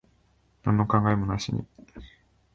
なんの考えもなしに。